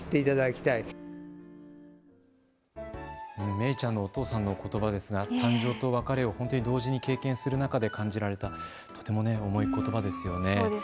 めいちゃんのお父さんのことば、誕生と別れを本当に同時に経験する中で感じられた重いことばですよね。